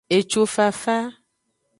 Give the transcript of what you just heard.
Ecufafa.